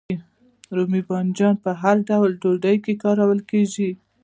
رومي بانجان په هر ډول ډوډۍ کې کاریږي.